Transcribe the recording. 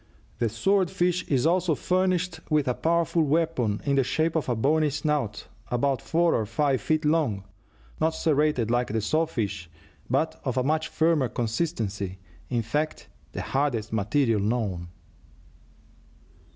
The sword fish is also furnished with a powerful weapon in the shape of a bony snout about four or five feet long, not serrated like the saw fish, but of a much firmer consistency in fact, the hardest material known.